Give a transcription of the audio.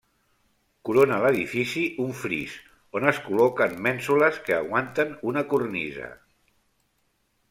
Corona l'edifici un fris on es col·loquen mènsules que aguanten una cornisa.